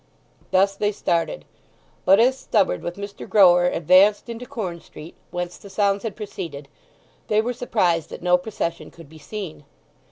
Thus they started. But as Stubberd with Mr. Grower advanced into Corn Street, whence the sounds had proceeded, they were surprised that no procession could be seen.